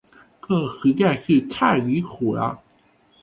这实在是太离谱了。